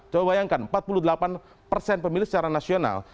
coba bayangkan empat puluh delapan persen pemilih secara nasional